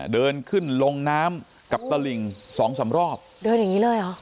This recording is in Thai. เดินขึ้นลงน้ำกับตระหลิง๒๓รอบเดินอย่างนี้เลยหรอ